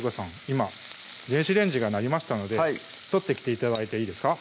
今電子レンジが鳴りましたので取ってきて頂いていいですか？